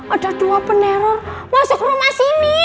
ada dua penerur masuk rumah sini